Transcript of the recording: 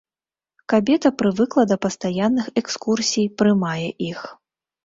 Кабета прывыкла да пастаянных экскурсій, прымае іх.